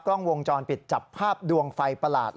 กล้องวงจรปิดจับภาพดวงไฟประหลาด